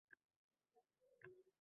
Yo‘q, akang yaxshi...